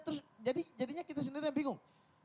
terus jadinya kita sendiri yang bingung